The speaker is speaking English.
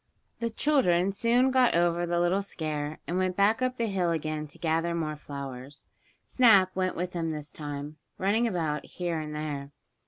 The children soon got over the little scare, and went back up the hill again to gather more flowers. Snap went with them this time, running about here and there.